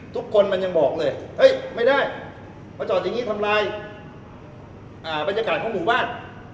ทุกคนมันยังบอกเลยเฮ้ยไม่ได้มาจอดอย่างนี้ทำลายบรรยากาศของหมู่บ้าน